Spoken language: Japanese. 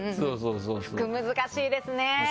服難しいですね！